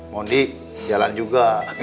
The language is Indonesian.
mondi jalan juga